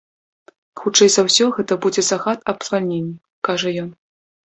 Хутчэй за ўсё гэта будзе загад аб звальненні, кажа ён.